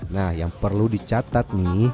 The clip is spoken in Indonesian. nah yang perlu dicatat nih